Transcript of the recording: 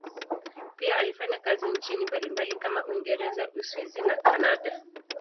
Pia alifanya kazi nchini mbalimbali kama Uingereza, Uswisi na Kanada.